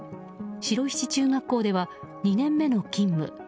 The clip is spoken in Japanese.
白石中学校では２年目の勤務。